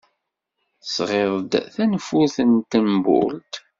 Tesɣid-d tanfult n tṭembult?